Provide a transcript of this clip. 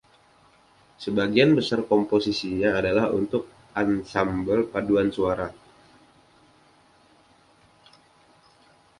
Sebagian besar komposisinya adalah untuk ansambel paduan suara.